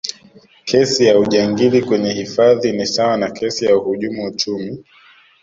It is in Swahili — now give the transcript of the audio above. kesi ya ujangili kwenye hifadhi ni sawa na kesi ya uhujumu uchumi